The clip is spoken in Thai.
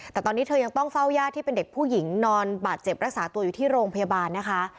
แต่ตอนนี้เธอยังต้องเฝ้าญาติที่เป็นเด็กผู้หญิงนอนบาดเจ็บรักษาตัวอยู่ที่โรงพยาบาลนะคะ